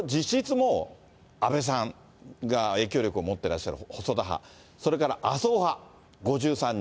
もう、安倍さんが影響力を持ってらっしゃる細田派、それから麻生派、５３人。